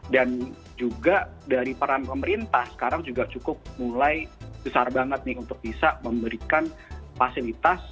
dan juga dari peran pemerintah sekarang juga cukup mulai besar banget nih untuk bisa memberikan fasilitas